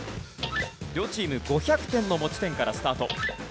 両チーム５００点の持ち点からスタート。